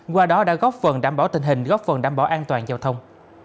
qua đó đã góp phần đảm bảo tình hình góp phần đảm bảo an toàn giao thông